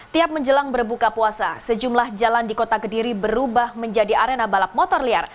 tiap menjelang berbuka puasa sejumlah jalan di kota kediri berubah menjadi arena balap motor liar